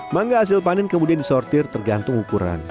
mangga hasil panen kemudian disortir tergantung ukuran